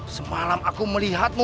semalam aku melihatmu